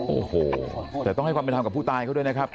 โอ้โหแต่ต้องให้ความเป็นธรรมกับผู้ตายเขาด้วยนะครับ